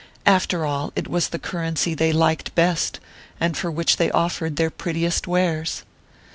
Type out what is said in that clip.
After all, it was the currency they liked best, and for which they offered their prettiest wares!